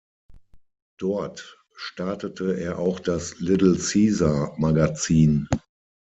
Dort startete er auch das "Little Caesar Magazin".